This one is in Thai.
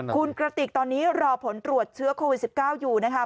คุณกระติกตอนนี้รอผลตรวจเชื้อโควิด๑๙อยู่นะคะ